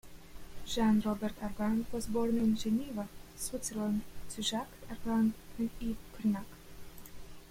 Jean-Robert Argand was born in Geneva, Switzerland to Jacques Argand and Eve Carnac.